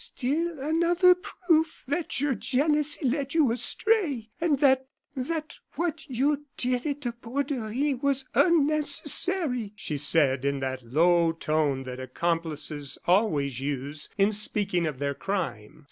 "Still another proof that your jealousy led you astray; and that that what you did at the Borderie was unnecessary," she said, in that low tone that accomplices always use in speaking of their crime.